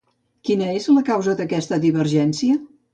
Quina és la causa d'aquesta divergència?